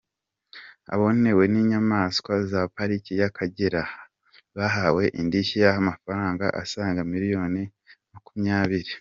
Abonewe n’inyamaswa za Pariki y’Akagera bahawe indishyi y’amafaranga asaga miliyoni makumyabiri